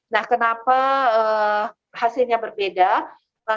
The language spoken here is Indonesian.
nah kenapa hasilnya berbeda